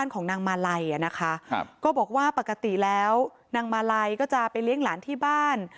ก็บอกว่าปกติแล้วนางมาลัยก็จะไปเลี้ยงหลานที่บ้าน